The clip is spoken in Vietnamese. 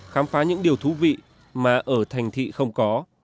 khám phá những điều thú vị mà ở thành thị không có